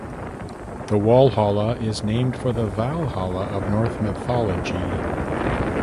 The Walhalla is named for the "Valhalla" of Norse mythology.